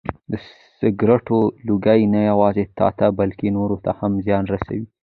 د سګرټو لوګی نه یوازې تاته بلکې نورو ته هم زیان رسوي.